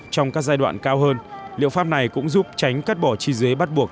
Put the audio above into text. trong các giai đoạn cao hơn liệu pháp này cũng giúp tránh cắt bỏ chi dưới bắt buộc